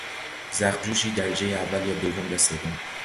زخم جوشی درجهی اول یا دوم یا سوم